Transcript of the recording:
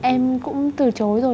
em cũng từ chối rồi